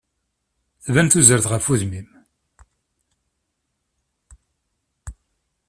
Tban tuzert ɣef udem-im.